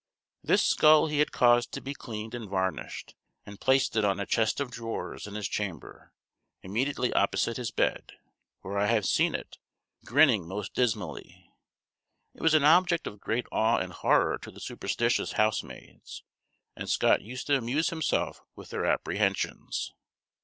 This skull he had caused to be cleaned and varnished, and placed it on a chest of drawers in his chamber, immediately opposite his bed; where I have seen it, grinning most dismally. It was an object of great awe and horror to the superstitious housemaids; and Scott used to amuse himself with their apprehensions.